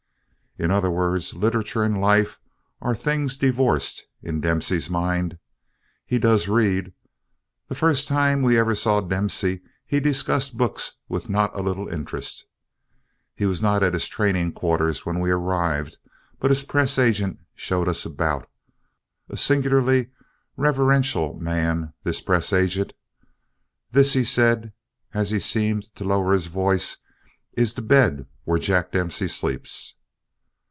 In other words literature and life are things divorced in Dempsey's mind. He does read. The first time we ever saw Dempsey he discussed books with not a little interest. He was not at his training quarters when we arrived but his press agent showed us about a singularly reverential man this press agent. "This," he said, and he seemed to lower his voice, "is the bed where Jack Dempsey sleeps."